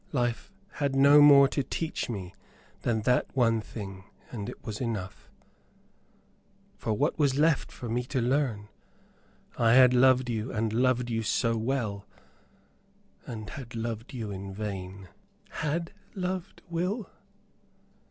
Life had no more to teach me than that one thing, and it was enough. For what was left for me to learn? I had loved you and loved you so well, and had loved you in vain." "Had loved, Will?